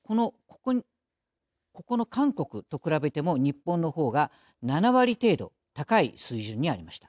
ここの韓国と比べても日本のほうが７割程度高い水準にありました。